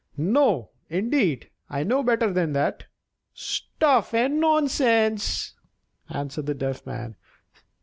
No, indeed; I know better than that." "Stuff and nonsense!" answered the Deaf Man.